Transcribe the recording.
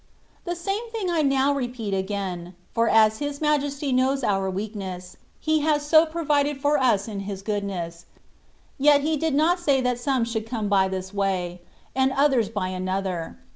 The same thing I now repeat again, for as His Majesty knows our weakness, He has so provided for us in His goodness ; yet He did not say that some should come by this way,* and others by another.